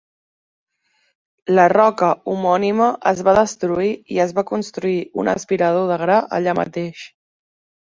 La roca homònima es va destruir i es va construir un aspirador de gra allà mateix.